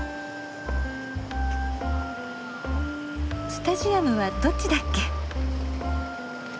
スタジアムはどっちだっけ？